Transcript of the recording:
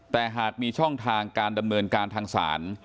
แต่หากมีช่องทางการดำเนินการทางศาล